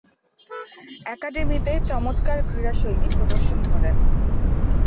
একাডেমিতে চমৎকার ক্রীড়াশৈলী প্রদর্শন করেন।